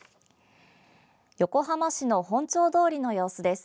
横浜市の本町通りの様子です。